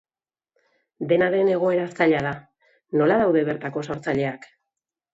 Dena den egoera zaila da, nola daude bertako sortzaileak?